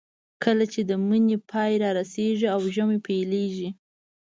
کله چې د مني پای رارسېږي او ژمی پیلېږي.